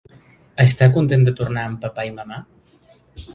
Està content de tornar amb papà i mamà?